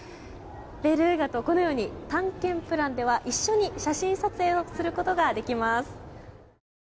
ベルーガとこのように探検プランでは一緒に写真撮影をすることができます。